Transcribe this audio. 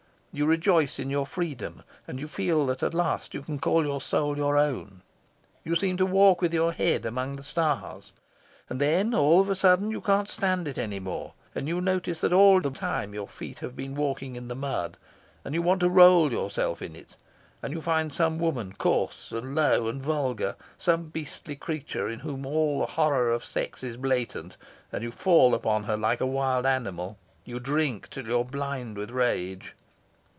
You rejoice in your freedom, and you feel that at last you can call your soul your own. You seem to walk with your head among the stars. And then, all of a sudden you can't stand it any more, and you notice that all the time your feet have been walking in the mud. And you want to roll yourself in it. And you find some woman, coarse and low and vulgar, some beastly creature in whom all the horror of sex is blatant, and you fall upon her like a wild animal. You drink till you're blind with rage."